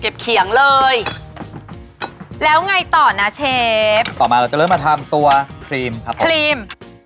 เขียงเลยแล้วไงต่อนะเชฟต่อมาเราจะเริ่มมาทำตัวครีมครับผมครีม